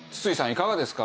いかがですか？